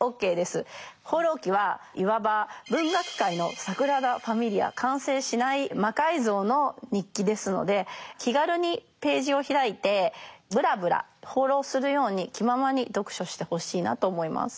「放浪記」はいわば完成しない魔改造の日記ですので気軽にページを開いてブラブラ放浪するように気ままに読書してほしいなと思います。